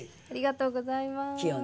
ありがとうございます。